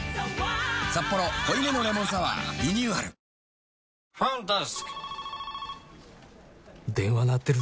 「サッポロ濃いめのレモンサワー」リニューアル炬太郎くんチャオ。